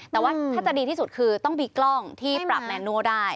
แต่ว่าถ้าจะดีที่สุดคือต้องมีกล้องที่ปรับแมนโน่ได้